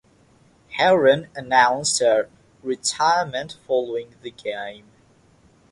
Haren announced her retirement following the game.